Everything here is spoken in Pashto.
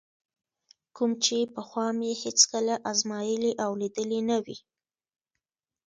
کوم چې پخوا مې هېڅکله ازمایلی او لیدلی نه وي.